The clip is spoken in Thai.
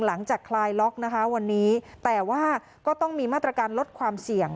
คลายล็อกนะคะวันนี้แต่ว่าก็ต้องมีมาตรการลดความเสี่ยง